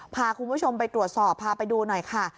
พาคุณผู้ชมไปตรวจสอบพาไปดูหน่อยค่ะ